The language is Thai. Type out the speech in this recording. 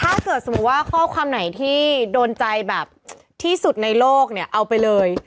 ถ้าเกิดสมมุติว่าข้อความไหนที่โดนใจแบบที่สุดในโลกเนี่ยเอาไปเลย